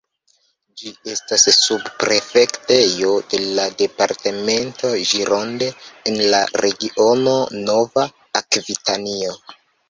Ĝi estas subprefektejo de la departemento Gironde, en la regiono Nova Akvitanio.